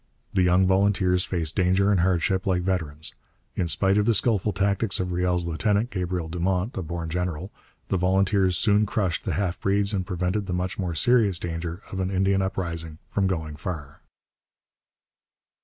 The young volunteers faced danger and hardship like veterans. In spite of the skilful tactics of Riel's lieutenant, Gabriel Dumont, a born general, the volunteers soon crushed the half breeds and prevented the much more serious danger of an Indian uprising from going far.